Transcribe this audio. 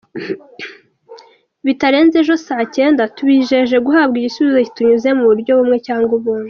bitarenze ejo isaa cyenda, tubijeje guhabwa igisubizo kitunyuze mu buryo bumwe cg ubundi.